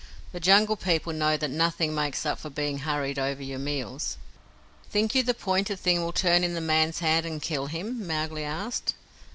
The Jungle People know that nothing makes up for being hurried over your meals. "Think you the pointed thing will turn in the man's hand and kill him?" Mowgli asked.